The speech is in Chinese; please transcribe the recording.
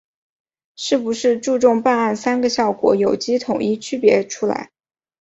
是不是注重办案‘三个效果’有机统一区别出来